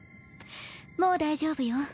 もう大丈夫よ。